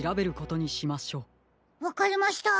わかりました。